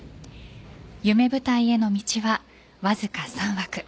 夢舞台への道はわずか３枠。